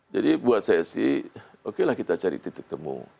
buat saya sih okelah kita cari titik temu